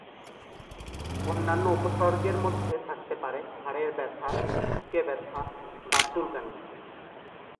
অন্যান্য উপসর্গের মধ্যে থাকতে পারে হাড়ের ব্যথা, বুকে ব্যথা বা চুলকানি।